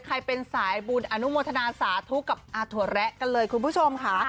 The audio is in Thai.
ใครเป็นสายบุญอนุโมทนาสาธุกับอาถั่วแระกันเลยคุณผู้ชมค่ะ